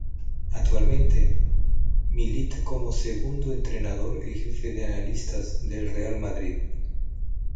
Actualmente milita como segundo entrenador y jefe de analistas del Real Madrid.